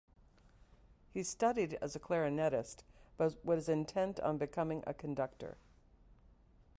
He studied as a clarinettist, but was intent on becoming a conductor.